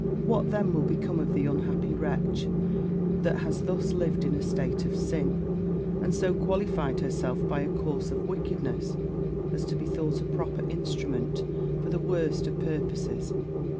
What then will become of the unhappy wretch, that has thus lived in a state of sin, and so qualified herself by a course of wickedness, as to be thought a proper instrument for the worst of purposes!